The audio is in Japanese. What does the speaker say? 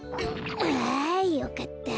あよかった。